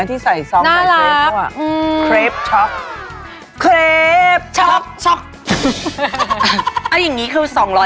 แป้งนี่คือ